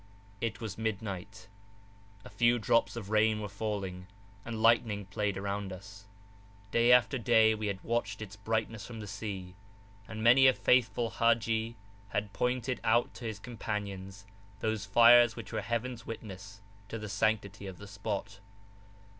It was midnight; a few drops of rain were falling, and lightning played around us. Day after day we had watched its brightness from the sea, and many a faithful haji had pointed out to his companions those fires which were Heavens witness to the sanctity of the spot.